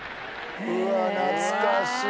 うわ懐かしい。